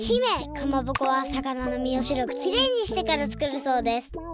かまぼこは魚の身を白くきれいにしてからつくるそうです！